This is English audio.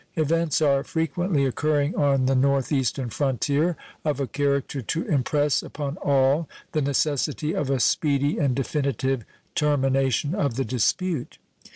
Events are frequently occurring on the North Eastern frontier of a character to impress upon all the necessity of a speedy and definitive termination of the dispute.